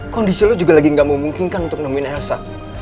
kondisi lo juga lagi gak memungkinkan untuk nemuin elsa